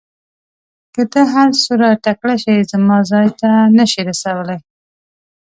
که ته هر څوره تکړه شې زما ځای ته ځان نه شې رسولای.